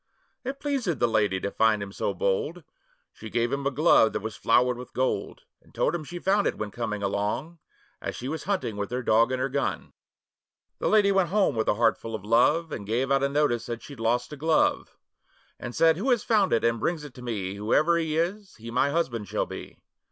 It pleasèd the lady to find him so bold; She gave him a glove that was flowered with gold, And told him she found it when coming along, As she was a hunting with her dog and gun. The lady went home with a heart full of love, And gave out a notice that she'd lost a glove; And said, 'Who has found it, and brings it to me, Whoever he is, he my husband shall be.